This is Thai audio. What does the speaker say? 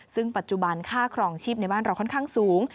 ซึ่งปัจจุบันค่าครองชีพในบ้านเราค่อนข้างสูง